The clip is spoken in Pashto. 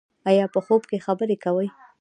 ایا په خوب کې خبرې کوئ؟